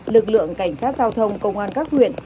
lực lượng cảnh sát giao thông công an các huyện